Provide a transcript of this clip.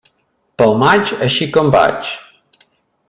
Pel maig, així com vaig.